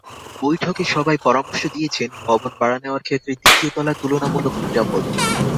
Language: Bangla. বৈঠকে সবাই পরামর্শ দিয়েছেন, ভবন ভাড়া নেওয়ার ক্ষেত্রে দ্বিতীয় তলা তুলনামূলক নিরাপদ।